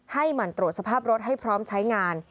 หมั่นตรวจสภาพรถให้พร้อมใช้งาน